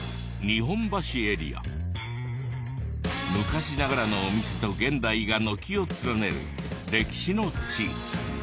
昔ながらのお店と現代が軒を連ねる歴史の地域。